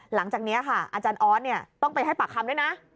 หลังจากนี้ค่ะอาจารย์ออสต้องไปให้ปากคำด้วยนะ